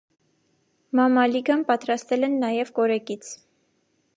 Մամալիգան պատրաստել են նաև կորեկից։